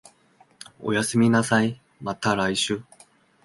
おやすみなさい、また来週